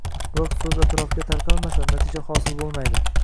Biroq, so‘z atrofga tarqalmasa, natija hosil bo‘lmaydi.